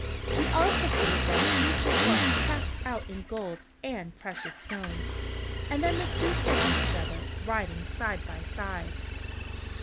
He also gave them each a horse trapped out in gold and precious stones, and then the two set out together, riding side by side.